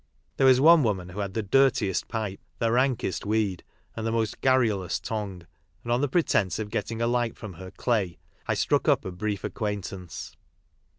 There was one woman who had the dirtiest pipe, the rankest weed, and the most garrulous tongue, and on the pretence of getting a light from her " clay," T struck up a brief acquaintance.